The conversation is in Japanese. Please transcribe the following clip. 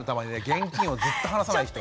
現金をずっと離さない人。